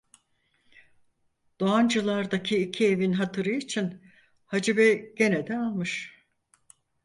Doğancılardaki iki evin hatırı için Hacı Bey gene de almış.